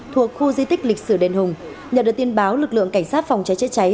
thuộc khu di tích lịch sử đền hùng nhận được tin báo lực lượng cảnh sát phòng cháy chữa cháy